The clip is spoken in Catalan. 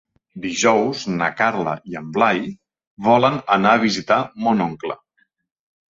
Dijous na Carla i en Blai volen anar a visitar mon oncle.